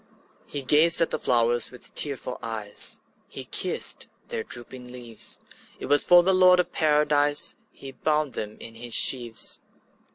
'' He gazed at the flowers with tearful eyes, He kissed their drooping leaves; It was for the Lord of Paradise He bound them in his sheaves.